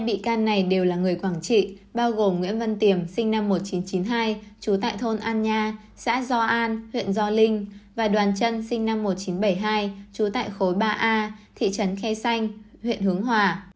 hai bị can này đều là người quảng trị bao gồm nguyễn vân tiểm sinh năm một nghìn chín trăm chín mươi hai chú tại thôn an nha xã do an huyện do linh và đoàn trân sinh năm một nghìn chín trăm bảy mươi hai chú tại khối ba a thị trấn khe xanh huyện hướng hòa